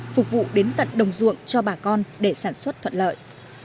phục vụ đến tận đồng ruộng cho bà con để sản xuất thuận lợi